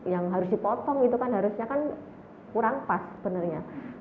yang harus dipotong itu kan harusnya kan kurang pas sebenarnya